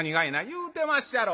「言うてまっしゃろ。